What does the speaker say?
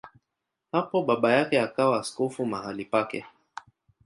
Hapo baba yake akawa askofu mahali pake.